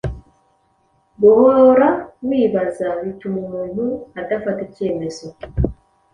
Guhora wibaza bituma umuntu adafata icyemezo,